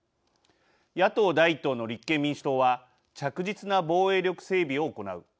野党第一党の立憲民主党は着実な防衛力整備を行う。